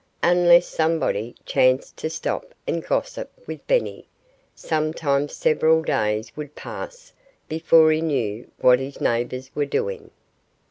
Unless somebody chanced to stop and gossip with Benny, sometimes several days would pass before he knew what his neighbors were doing.